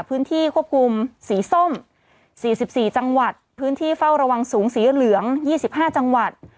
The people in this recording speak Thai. พื้นที่ควบคุมสีส้มสี่สิบสี่จังหวัดพื้นที่เฝ้าระวังสูงสีเหลืองยี่สิบห้าจังหวัด